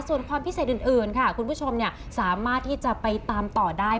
ส่วนความพิเศษอื่นค่ะคุณผู้ชมสามารถที่จะไปตามต่อได้